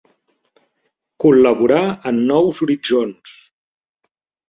Col·laborà en Nous Horitzons.